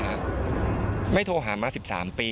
เพื่อนไม่โทรหากันเลยครับ๑๓ปี